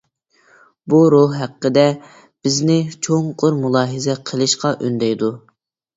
بۇ روھ ھەققىدە بىزنى چوڭقۇر مۇلاھىزە قىلىشقا ئۈندەيدۇ.